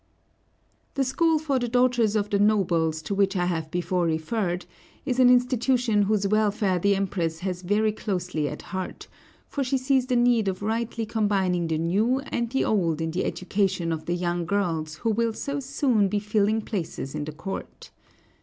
The school for the daughters of the nobles, to which I have before referred, is an institution whose welfare the Empress has very closely at heart, for she sees the need of rightly combining the new and the old in the education of the young girls who will so soon be filling places in the court.